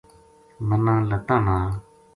مَنا لَتاں نال